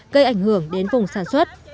gây ảnh hưởng đến vùng sản xuất